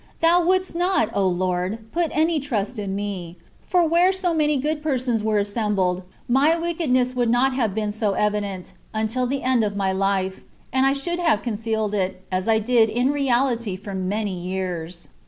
Thou wouldst not, O Lord! put any trust in me; for where so many good persons were assembled, my wickedness 44 THE WAY OF PERFECTION. would not have been so evident, until the end of my life ; and I should have concealed it, as I did in reality for many years.